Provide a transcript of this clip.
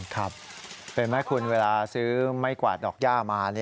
ครับเป็นไหมคุณเวลาซื้อไม่กวาดดอกย่ามา